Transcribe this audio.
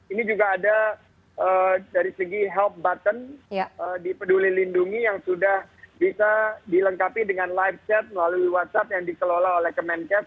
ini juga ada dari segi help button di peduli lindungi yang sudah bisa dilengkapi dengan live chat melalui whatsapp yang dikelola oleh kemenkes